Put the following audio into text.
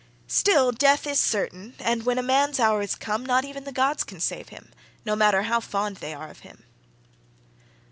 Still, death is certain, and when a man's hour is come, not even the gods can save him, no matter how fond they are of him."